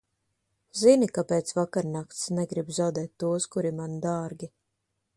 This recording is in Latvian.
Zini, ka pēc vakarnakts negribu zaudēt tos, kuri man dārgi.